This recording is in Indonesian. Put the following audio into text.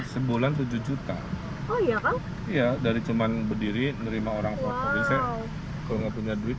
sebulan tujuh juta oh iya iya dari cuman berdiri menerima orang orang bisa kalau punya duit